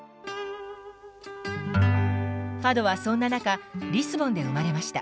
ファドはそんな中リスボンで生まれました。